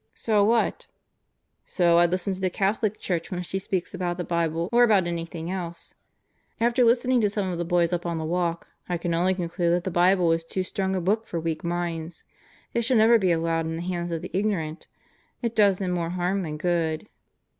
"So what?" "So I'd listen to the Catholic Church when she speaks about the Bible or about anything else. After listening to some of the boys up on the walk, I can only conclude that the Bible is too strong a book for weak minds. It should never be allowed in the hands of the ignorant. It does them more harm than good."